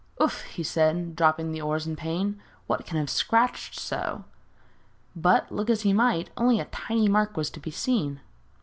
'Oof!' he said, dropping the oars from pain, 'what can have scratched so?' But, look as he might, only a tiny mark was to be seen.